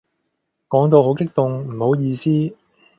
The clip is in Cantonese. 講到好激動，唔好意思